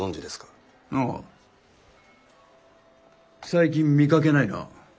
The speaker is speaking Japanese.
最近見かけないな。